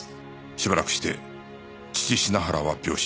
しばらくして父品原は病死